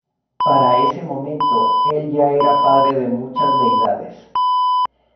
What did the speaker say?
Para ese momento el ya era padre de muchas deidades.